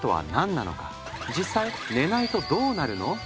実際寝ないとどうなるの？